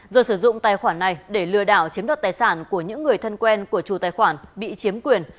rồi sử dụng tài khoản này để lừa đảo chiếm đoạt tài sản của những người thân quen của chủ tài khoản bị chiếm quyền